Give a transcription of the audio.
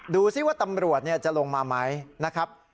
ดูสิว่าตำรวจจะลงมาไหมนะครับ